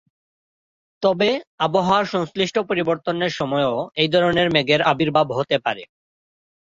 তবে, আবহাওয়ার সংশ্লিষ্ট পরিবর্তনের সময়ও এই ধরনের মেঘের আবির্ভাব হতে পারে।